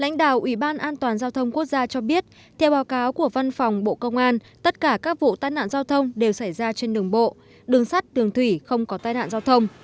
lãnh đạo ủy ban an toàn giao thông quốc gia cho biết theo báo cáo của văn phòng bộ công an tất cả các vụ tai nạn giao thông đều xảy ra trên đường bộ đường sắt đường thủy không có tai nạn giao thông